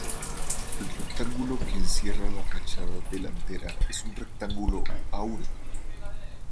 El rectángulo que encierra la fachada delantera es un rectángulo áureo.